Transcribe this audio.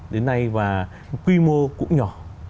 đến nay và quy mô cũng nhỏ